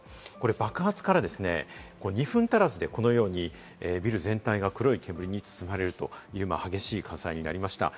爆発から２分足らずでこのようにビル全体が黒い煙に包まれるという激しい火災になりました。